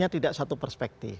tidak satu perspektif itu